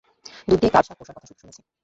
দুধ দিয়ে কালসাণ পোষার কথা শুধু শুনেছি।